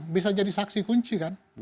bisa jadi saksi kunci kan